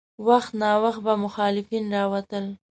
وخت ناوخت به مخالفین راوتل.